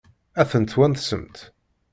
Ad tent-twansemt?